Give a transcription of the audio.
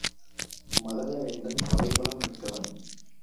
மகதவேந்தன் படைப் பலம் மிக்கவன்.